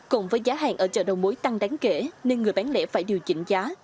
cùng với giá hàng ở chợ đầu mối tăng đáng kể nên người bán lẻ phải điều chỉnh giá